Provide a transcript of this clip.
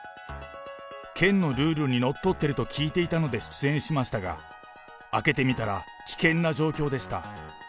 県のルールにのっとっていると聞いていたので出演しましたが、開けてみたら、危険な状況でした。